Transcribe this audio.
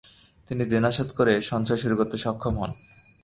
তিনি দেনা শোধ করে সঞ্চয় শুরু করতে সক্ষম হন।